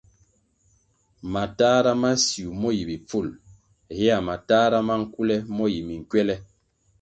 Matahra ma siu mo yi bipful hea matahra ma nkule mo yi minkwele.